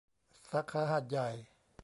สาขาหาดใหญ่